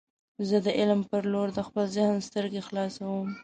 زه د علم په لور د خپل ذهن سترګې خلاصوم.